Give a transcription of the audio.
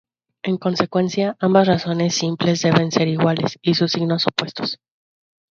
En consecuencia, ambas razones simples deben ser iguales, y sus signos opuestos.